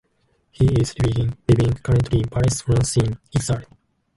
He is living currently in Paris, France in exile.